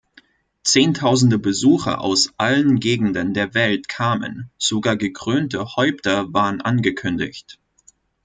Zehntausende Besucher aus allen Gegenden der Welt kamen, sogar gekrönte Häupter waren angekündigt.